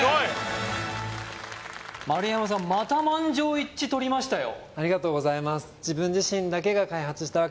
丸山さんまた満場一致取りましたよ